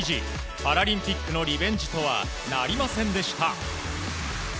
パラリンピックのリベンジとはなりませんでした。